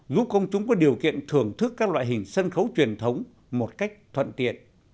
giúp công chúng có điều kiện thưởng thức các loại hình sân khấu truyền thống một cách thuận tiện